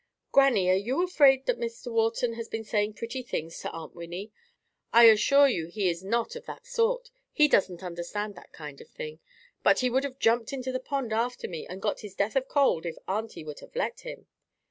"Grannie, are you afraid Mr. Walton has been saying pretty things to Aunt Winnie? I assure you he is not of that sort. He doesn't understand that kind of thing. But he would have jumped into the pond after me and got his death of cold if auntie would have let him.